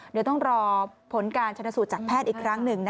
เดี๋ยวต้องรอผลการชนสูตรจากแพทย์อีกครั้งหนึ่ง